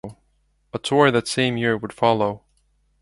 A tour that same year would follow.